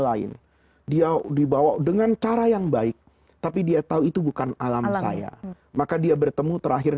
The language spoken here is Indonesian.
lain dia dibawa dengan cara yang baik tapi dia tahu itu bukan alam saya maka dia bertemu terakhir